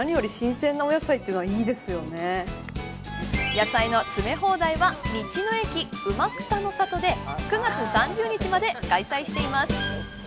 野菜の詰め放題は道の駅、うまくたの里で９月３０日まで開催しています。